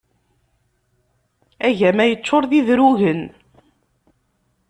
Agama yeččur d idrugen.